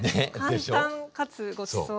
簡単かつごちそう。